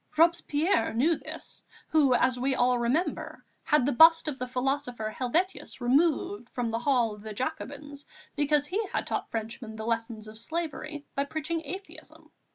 Robespierre knew this, who, as we all remember, had the bust of the philosopher Helvétius removed from the Hall of the Jacobins, because he had taught Frenchmen the lessons of slavery by preaching atheism....